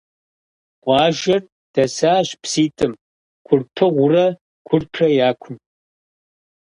Къуажэр дэсащ пситӀым – Курпыгъурэ Курпрэ – я кум.